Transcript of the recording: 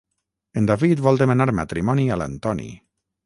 En David vol demanar matrimoni a l'Antoni.